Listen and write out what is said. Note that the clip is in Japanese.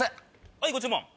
はいご注文。